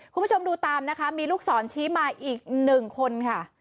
คุณผู้ชมดูตามนะคะมีลูกศรชี้มาอีกหนึ่งคนค่ะ